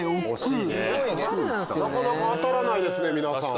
なかなか当たらないですね。